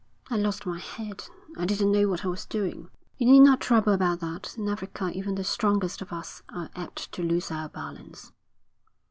'I lost my head. I didn't know what I was doing.' 'You need not trouble about that. In Africa even the strongest of us are apt to lose our balance.'